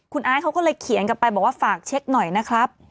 คุณไอซ์เขาก็เลยเขียนกลับไปบอกว่าฝากเช็คหน่อยนะครับ